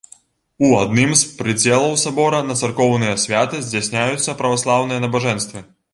У адным з прыдзелаў сабора на царкоўныя святы здзяйсняюцца праваслаўныя набажэнствы.